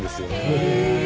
へえ！